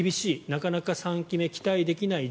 なかなか３期目期待できない。